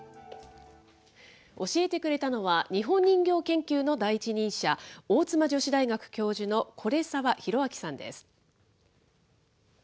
教えてくれたのは、日本人形研究の第一人者、大妻女子大学教授の是澤博昭さんです。